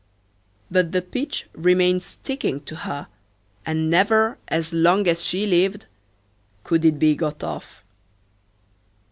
But the pitch remained sticking to her, and never as long as she lived could it be got off.